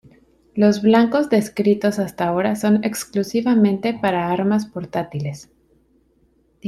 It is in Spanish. Los blancos descritos hasta ahora son exclusivamente para armas portátiles.